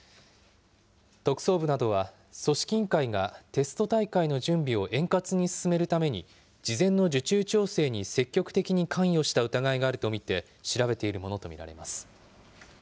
特捜部などは、組織委員会がテスト大会の準備を円滑に進めるために、事前の受注調整に積極的に関与した疑いがあると見て、調べているものと見られます。